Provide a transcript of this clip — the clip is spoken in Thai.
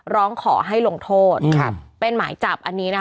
ร้องขอให้ลงโทษเป็นหมายจับอันนี้นะคะ